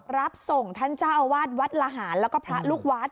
รับส่งท่านเจ้าอาวาสวัดละหารแล้วก็พระลูกวัด